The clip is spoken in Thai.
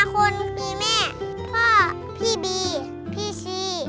คุณแม่พ่อพี่บีพี่ซี